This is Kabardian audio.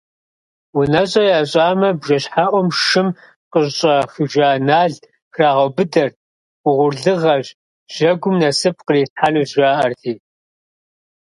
УнэщӀэ ящӀамэ, бжэщхьэӀум шым къыщӀахыжа нал храгъэубыдэрт, угъурлыгъэщ, жьэгум насып кърилъхьэнущ жаӀэрти.